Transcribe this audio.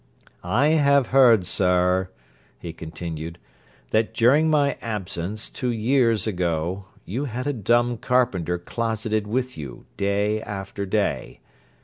'I have heard, sir,' he continued, 'that during my absence, two years ago, you had a dumb carpenter closeted with you day after day.